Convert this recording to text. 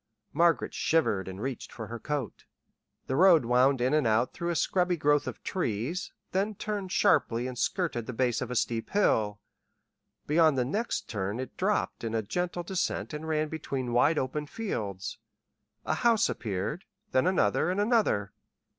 Margaret shivered and reached for her coat. The road wound in and out through a scrubby growth of trees, then turned sharply and skirted the base of a steep hill. Beyond the next turn it dropped in a gentle descent and ran between wide open fields. A house appeared, then another and another.